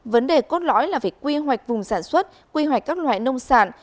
vấn đề cốt lõi là phải quy hoạch vùng sản xuất quy hoạch các loại nông sản